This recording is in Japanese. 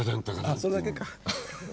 あっそれだけか。